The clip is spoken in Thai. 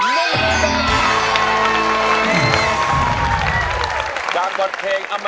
นักสู้ชีวิตแต่ละคนก็ฝ่าฟันและสู้กับเพลงนี้มากก็หลายรอบ